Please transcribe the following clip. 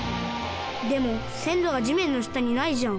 でもせんろがじめんのしたにないじゃん。